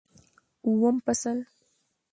اووم فصل